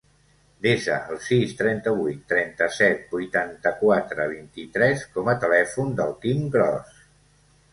Desa el sis, trenta-vuit, trenta-set, vuitanta-quatre, vint-i-tres com a telèfon del Quim Gros.